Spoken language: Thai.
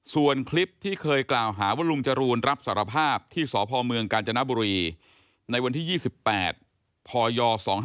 ส่วนคลิปที่เคยกล่าวหาว่าลุงจรูนรับสารภาพที่สพเมืองกาญจนบุรีในวันที่๒๘พย๒๕๖